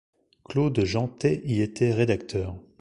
Claude Jeantet y était rédacteur.